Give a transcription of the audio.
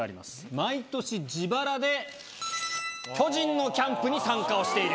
毎年自腹で、巨人のキャンプに参加をしている。